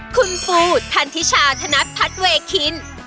คุณปูทันทิชาธนัดพัฒนเวคิน